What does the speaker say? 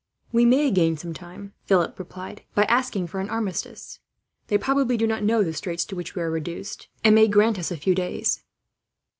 "We might gain some time," Philip replied, "by asking for an armistice. They probably do not know the straits to which we are reduced, and may grant us a few days."